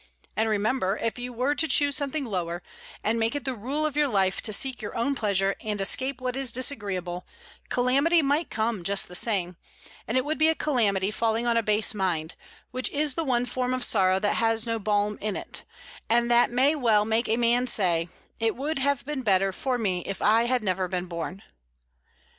And remember, if you were to choose something lower, and make it the rule of your life to seek your own pleasure and escape what is disagreeable, calamity might come just the same; and it would be a calamity falling on a base mind, which is the one form of sorrow that has no balm in it, and that may well make a man say, 'It would have been better for me if I had never been born.'"